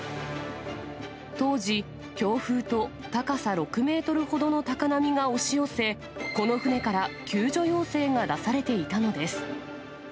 当時、強風と高さ６メートルほどの高波が押し寄せ、この船から救助要請が出されていたのです。